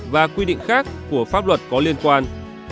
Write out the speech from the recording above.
và quy định khác của pháp luật có liên quan